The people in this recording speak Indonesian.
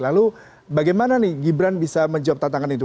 lalu bagaimana nih gibran bisa menjawab tantangan itu